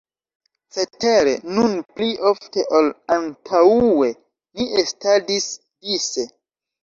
Cetere, nun pli ofte ol antaŭe ni estadis dise.